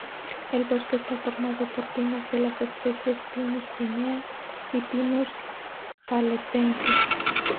El bosque está formado por pinos de las especies "Pinus pinea" y "Pinus halepensis".